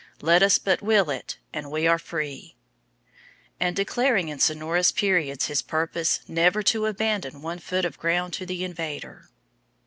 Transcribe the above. Let us but will it and we are free"; and declaring in sonorous periods his purpose never to abandon one foot of ground to the invader.